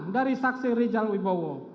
dari saksi rijal wibowo